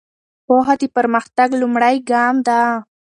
پوهه د پرمختګ لومړی ګام ده.